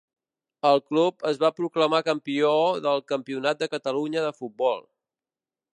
El club es va proclamar campió del Campionat de Catalunya de futbol.